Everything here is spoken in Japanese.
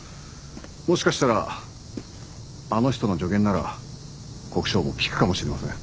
もしかしたらあの人の助言なら国生も聞くかもしれません。